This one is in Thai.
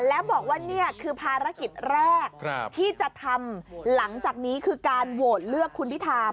แล้วบอกว่านี่คือภารกิจแรกที่จะทำหลังจากนี้คือการโหวตเลือกคุณพิธา